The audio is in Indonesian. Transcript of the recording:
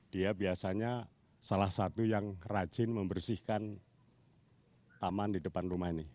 dia biasanya salah satu yang rajin membersihkan taman di depan rumah ini